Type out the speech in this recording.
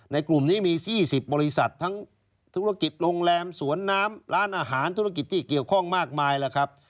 กลุ่มนี้มี๒๐บริษัททั้งธุรกิจโรงแรมสวนน้ำร้านอาหารธุรกิจที่เกี่ยวข้องมากมายแล้วครับ